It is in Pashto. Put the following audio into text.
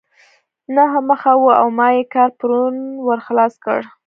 نهه مخه وه او ما ئې کار پرون ور خلاص کړ.